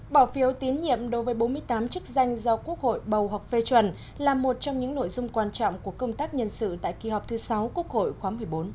bỏ phiếu tín nhiệm đối với bốn mươi tám chức danh do quốc hội bầu hoặc phê chuẩn là một trong những nội dung quan trọng của công tác nhân sự tại kỳ họp thứ sáu quốc hội khóa một mươi bốn